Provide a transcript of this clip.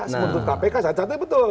sementara kpk sangat cantik betul